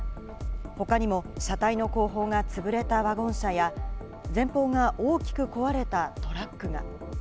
他にも車体の後方が潰れたワゴン車や、前方が大きく壊れたトラックが。